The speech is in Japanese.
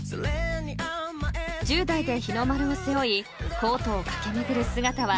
［１０代で日の丸を背負いコートを駆け巡る姿は］